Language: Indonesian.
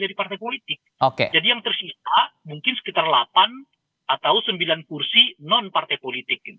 jadi yang tersisa mungkin sekitar delapan atau sembilan kursi non partai politik